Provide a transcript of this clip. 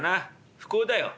不幸だよ。